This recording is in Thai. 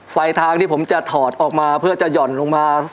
ทางที่ผมจะถอดออกมาเพื่อจะห่อนลงมา